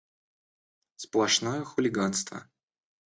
Сплошное хулиганство!